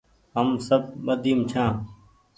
هم سب ٻڌيم ڇآن